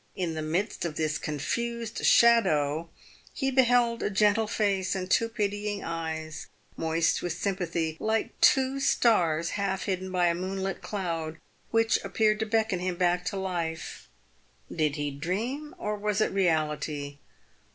In the midst of this confused shadow, he beheld a gentle face and two pitying eyes, moist with sympathy, like two stars half hidden by a moonlit cloud, which ap peared to beckon him back to life. Did he dream, or was it reality